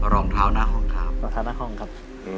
รองเท้าน้าห้องครับ